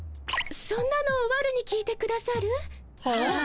そんなのわるに聞いてくださる？はっ？